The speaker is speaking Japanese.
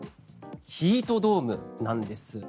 ヒートドームなんです。